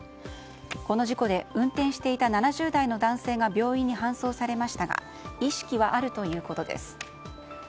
この事故で運転していた７０代の男性が病院に搬送されましたが意識はあるということです。